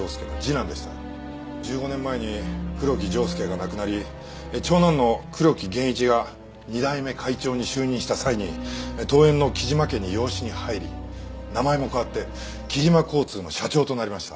１５年前に黒木定助が亡くなり長男の黒木玄一が２代目会長に就任した際に遠縁の木島家に養子に入り名前も変わって木島交通の社長となりました。